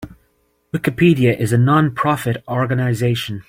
Wikipedia is a non-profit organization.